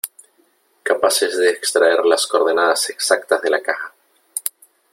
capaces de extraer las coordenadas exactas de la caja .